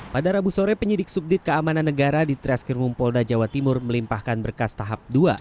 pada rabu sore penyidik subdit keamanan negara di treskrimum polda jawa timur melimpahkan berkas tahap dua